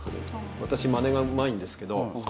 私まねがうまいんですけど。